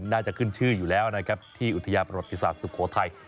น่าจะขึ้นชื่ออยู่แล้วนะครับที่อุทยาประวัติศาสตร์สุโขทัย